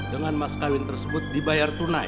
dengan mas kawin tersebut di bayar tunai